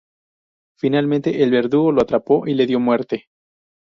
Finalmente, el verdugo lo atrapó y le dio muerte.